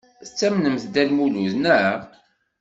Tettamnemt Dda Lmulud, naɣ?